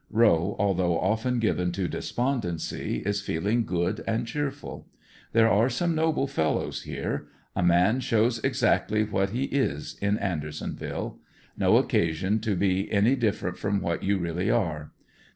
Eowe, although often given to despondency, is feeling good and cheerful There are some noble fellows here. A man shows exactly what he is in Andersonville. No occasion to be any different from what you really are.